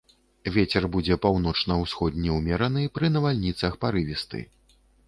Вецер будзе паўночна-ўсходні ўмераны, пры навальніцах парывісты.